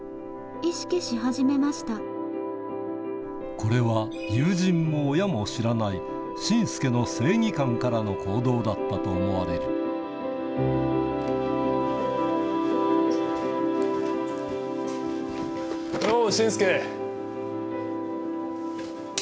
これは友人も親も知らない信介の正義感からの行動だったと思われるよう。